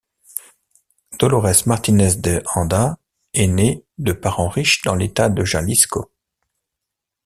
Dolores Martinez de Anda est née de parents riches dans l'État de Jalisco.